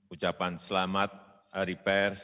ucapan selamat hari pers